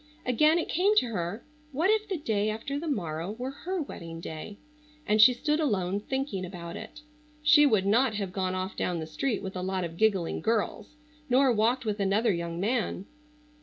Again it came to her what if the day after the morrow were her wedding day and she stood alone thinking about it. She would not have gone off down the street with a lot of giggling girls nor walked with another young man.